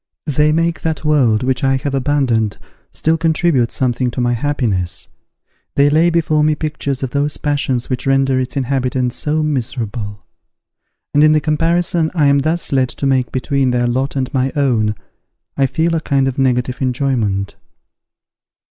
They make that world, which I have abandoned, still contribute something to my happiness. They lay before me pictures of those passions which render its inhabitants so miserable; and in the comparison I am thus led to make between their lot and my own, I feel a kind of negative enjoyment.